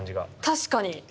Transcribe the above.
確かに。